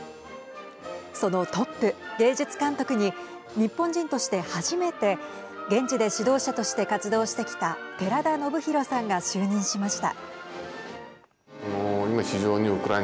そのトップ、芸術監督に日本人として初めて現地で指導者として活動してきた寺田宜弘さんが就任しました。